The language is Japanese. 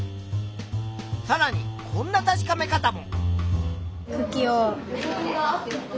さらにこんな確かめ方も。